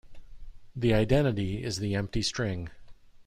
The identity is the empty string.